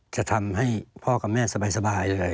จะทำให้พ่อกับแม่สบายเลย